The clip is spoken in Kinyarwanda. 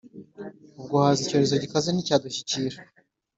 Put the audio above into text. ubwo haza icyorezo gikaze nticyadushyikira,